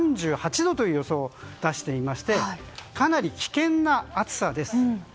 ３８度という予想を出していましてかなり危険な暑さです。